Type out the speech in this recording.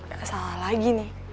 gak salah lagi nih